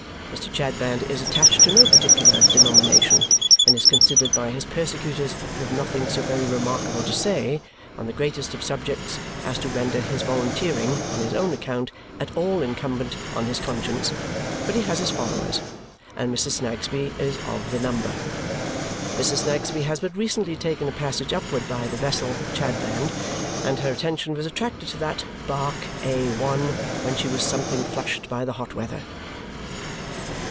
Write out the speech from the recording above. Mr. Chadband is attached to no particular denomination and is considered by his persecutors to have nothing so very remarkable to say on the greatest of subjects as to render his volunteering, on his own account, at all incumbent on his conscience; but he has his followers, and Mrs. Snagsby is of the number. Mrs. Snagsby has but recently taken a passage upward by the vessel, Chadband; and her attention was attracted to that Bark A 1, when she was something flushed by the hot weather.